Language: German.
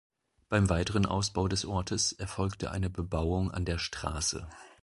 Beim weiteren Ausbau des Ortes erfolgte eine Bebauung an der Straße.